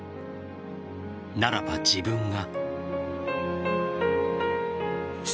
ならば自分が。